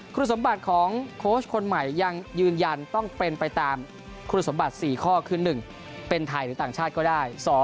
คุณสมบัติของโค้ชคนใหม่ยังยืนยันต้องเป็นไปตามคุณสมบัติ๔ข้อคือ๑เป็นไทยหรือต่างชาติก็ได้